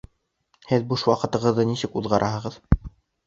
Һеҙ буш ваҡытығыҙҙы нисек уҙғараһығыҙ?